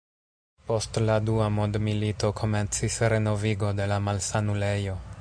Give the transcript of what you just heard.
Post la dua mondmilito komencis renovigo de la malsanulejo.